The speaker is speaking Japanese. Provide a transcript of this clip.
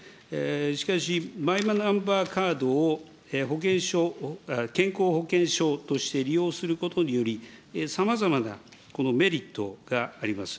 しかし、マイナンバーカードを保険証、健康保険証として利用することにより、さまざまなメリットがあります。